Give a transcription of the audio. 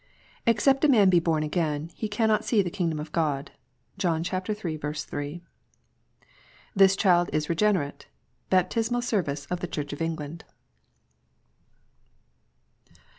"Except a man be born again, he cannot see the kingdom of God." JOHN iii. 3. " This child is regenerate." Baptismal Service of the Church of England.